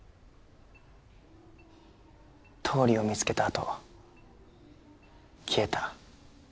倒理を見つけたあと消えた。